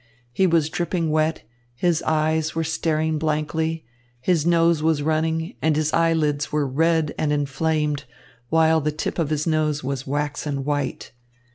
He was dripping wet, his eyes were staring blankly, his nose was running, and his eyelids were red and inflamed, while the tip of his nose was waxen white.